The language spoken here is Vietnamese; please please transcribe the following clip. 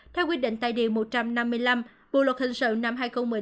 theo quy định tài điều một trăm năm mươi năm bộ luật hình sự năm hai nghìn một mươi năm